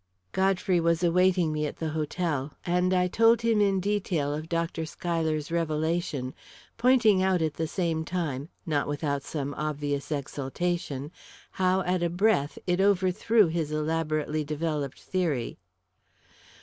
Godfrey was awaiting me at the hotel, and I told him in detail of Dr. Schuyler's revelation, pointing out at the same time not without some obvious exultation how, at a breath, it overthrew his elaborately developed theory.